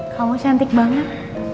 kamu cantik banget